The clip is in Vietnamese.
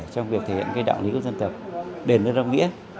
trong việc thể hiện đạo lý của dân tộc đền đơn đồng nghĩa